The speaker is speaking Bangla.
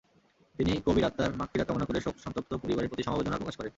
তিনি কবির আত্মার মাগফিরাত কামনা করে শোকসন্তপ্ত পরিবারের প্রতি সমবেদনা প্রকাশ করে।